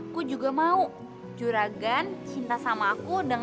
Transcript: duta kamu nggak bisa gitu dong